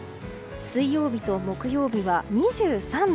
水曜日と木曜日は２３度。